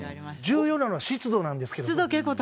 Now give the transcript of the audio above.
重要なのは湿度なんですけど。